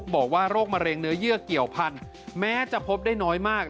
บอกว่าโรคมะเร็งเนื้อเยื่อเกี่ยวพันธุ์แม้จะพบได้น้อยมาก